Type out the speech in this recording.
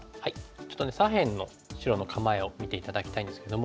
ちょっとね左辺の白の構えを見て頂きたいんですけども。